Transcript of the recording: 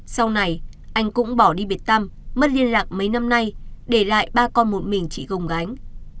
sau này anh cũng bỏ đi biệt tâm mất liên lạc mấy năm nay để lại ba con một mình chỉ gồng gánh